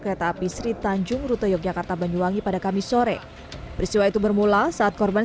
kereta api sri tanjung rute yogyakarta banyuwangi pada kamis sore peristiwa itu bermula saat korban